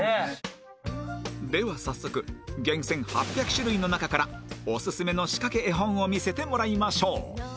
では早速厳選８００種類の中からオススメのしかけ絵本を見せてもらいましょう